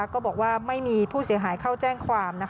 ก็บอกว่าไม่มีผู้เสียหายเข้าแจ้งความ